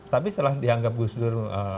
tapi setelah dianggap gus dur